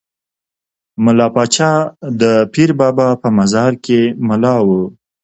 ملا پاچا د پیر بابا په مزار کې ملا وو.